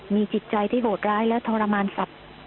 มีจิตใจที่โหดร้ายและทรมานสัตว์